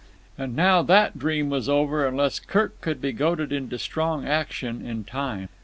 And now that dream was over—unless Kirk could be goaded into strong action in time.